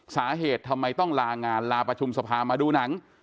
สาเหตุทำไมต้องลางานลาประชุมสภามาดูหนัง